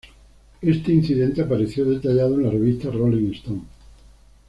Este incidente apareció detallado en la revista "Rolling Stone".